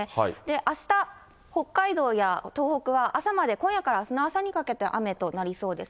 あした、北海道や東北は朝まで、今夜からあすの朝にかけて雨となりそうです。